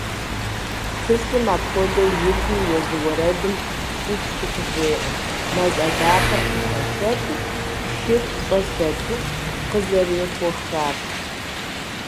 Тхылъым апхуэдэу итми, езы уэрэдым ӏупщӏу къыжеӏэ «мэз адакъэр къыхэлъэту, шыр щӏэлъэту» къызэрехуэхар.